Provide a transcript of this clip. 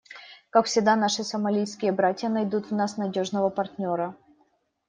Как всегда, наши сомалийские братья найдут в нас надежного партнера.